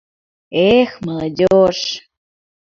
Э-эх, молодёжь!